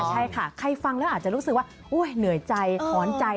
ใช่ค่ะใครฟังแล้วอาจจะรู้สึกว่าเหนื่อยใจหอนใจ